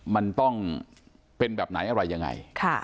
มันต้องเป็นแบบไหนอะไรยังไง